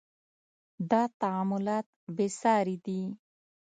• دا تعاملات بې ساري دي.